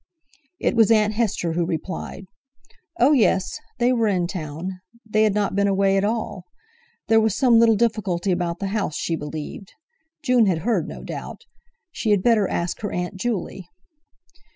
It was Aunt Hester who replied: Oh, yes, they were in town, they had not been away at all. There was some little difficulty about the house, she believed. June had heard, no doubt! She had better ask her Aunt Juley!